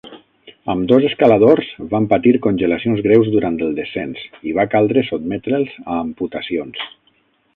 Ambdós escaladors van patir congelacions greus durant el descens i va caldre sotmetre'ls a amputacions.